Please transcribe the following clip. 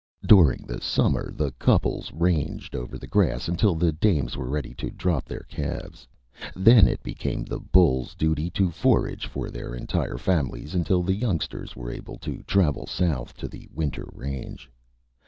During the summer, the couples ranged over the grass until the dams were ready to drop their calves. Then it became the bulls' duty to forage for their entire families until the youngsters were able to travel south to the winter range.